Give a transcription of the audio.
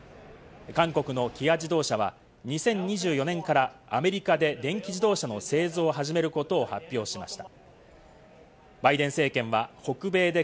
韓国の起亜自動車は２０２４年からアメリカで電気自動車の製造を始めることを発表しました。